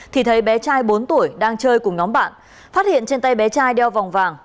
thì thấy bé trai bốn tuổi đang chơi cùng nhóm bạn phát hiện trên tay bé trai đeo vòng vàng